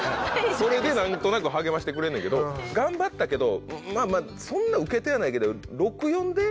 それで何となく励ましてくれんねんけど頑張ったけどまぁまぁそんなウケてはないけど。